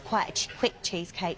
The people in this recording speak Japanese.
はい。